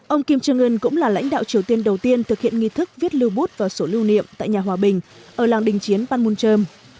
ông kim jong un cũng là lãnh đạo triều tiên đầu tiên thực hiện nghi thức viết lưu bút và sổ lưu niệm tại nhà hòa bình ở làng đình chiến panmunjom